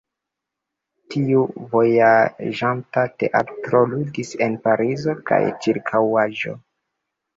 Tiu vojaĝanta teatro ludis en Parizo kaj ĉirkaŭaĵo.